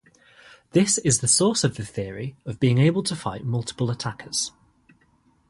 This is the source of the theory of being able to fight multiple attackers.